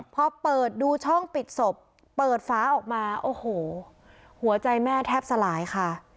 พอเปิดดูช่องปิดศพเปิดฟ้าออกมาโอ้โหหัวใจแม่แทบสลายค่ะ